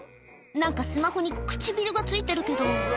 なんかスマホに唇がついてるけど。